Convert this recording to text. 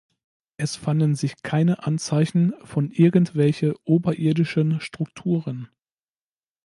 Es fanden sich keine Anzeichen von irgendwelche oberirdischen Strukturen.